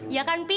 ya kan pi